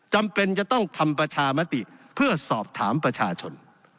จำเป็นจะต้องทำประชามติเพื่อสอบถามประชาชน